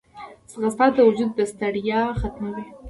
ځغاسته د وجود ستړیا ختموي